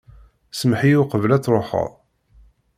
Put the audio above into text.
Semmeḥ-iyi uqbel ad truḥeḍ.